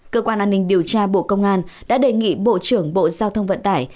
cơ quan an ninh điều tra bộ công an đã đề nghị bộ trưởng bộ giao thông vận tải